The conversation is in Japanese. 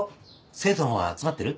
生徒の方は集まってる？